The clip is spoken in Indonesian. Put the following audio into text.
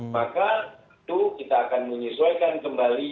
maka itu kita akan menyesuaikan kembali